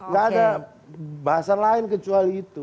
gak ada bahasa lain kecuali itu